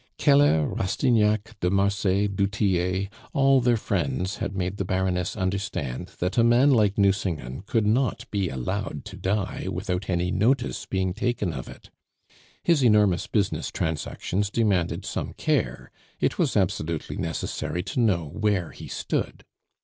Keller, Rastignac, de Marsay, du Tillet, all their friends had made the Baroness understand that a man like Nucingen could not be allowed to die without any notice being taken of it; his enormous business transactions demanded some care; it was absolutely necessary to know where he stood.